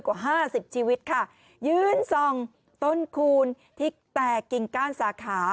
กว่าห้าสิบชีวิตค่ะยืนส่องต้นคูณที่แตกกิ่งก้านสาขา